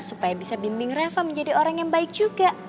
supaya bisa bimbing reva menjadi orang yang baik juga